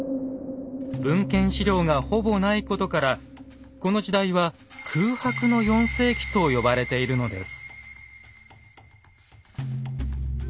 文献史料がほぼないことからこの時代は「空白の４世紀」と呼ばれているのです。